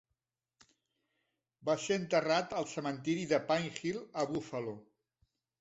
Va ser enterrat al cementiri de Pine Hill a Buffalo.